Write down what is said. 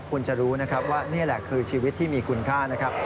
คุณจะรู้นะครับว่านี่แหละคือชีวิตที่มีคุณค่านะครับ